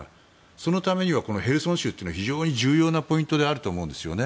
そのためにはヘルソン州というのは非常に重要なポイントだと思うんですね。